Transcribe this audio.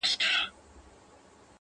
تبۍ را واخلی مخ را تورکړۍ!!